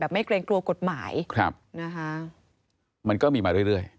แบบไม่เกรงกลัวกฎหมายครับนะฮะมันก็มีมาเรื่อยเรื่อยอืม